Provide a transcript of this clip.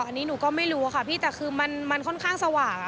อันนี้หนูก็ไม่รู้ค่ะพี่แต่คือมันค่อนข้างสว่าง